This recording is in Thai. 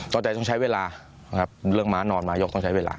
ใจต้องใช้เวลานะครับเรื่องม้านอนม้ายกต้องใช้เวลา